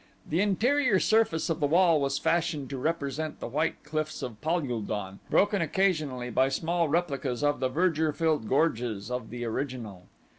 The interior surface of the wall was fashioned to represent the white cliffs of Pal ul don, broken occasionally by small replicas of the verdure filled gorges of the original.